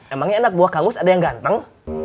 emangnya anak buah kangmus ada yang ganteng